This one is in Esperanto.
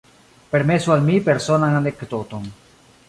Permesu al mi personan anekdoton.